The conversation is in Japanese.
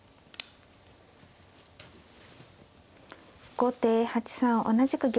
後手８三同じく玉。